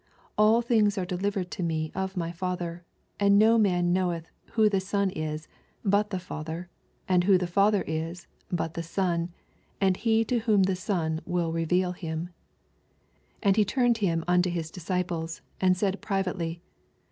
22 All things are delivered to me of my Father : and no man knoweth who the Son is, but the Father ; and who the Father is, but the Son, and hs to whom the Son will reveal Atm, 28 And he turned him unto Am disciples, and said privately.